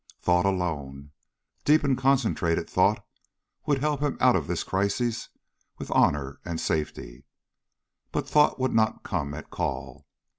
Thought alone deep and concentrated thought would help him out of this crisis with honor and safety. But thought would not come at call.